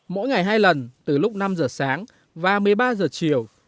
mỗi ngày hai lần từ lúc năm giờ sáng và một mươi ba giờ chiều